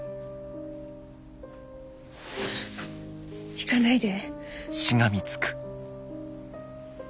行かないで。